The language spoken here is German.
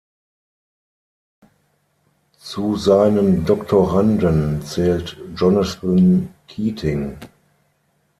Zu seinen Doktoranden zählt Jonathan Keating.